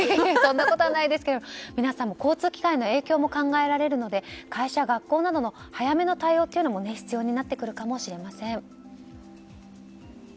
そんなことはないですけど皆さんも交通機関への影響も考えられるので会社、学校などの早めの対応というのも必要になってくるかもしれません。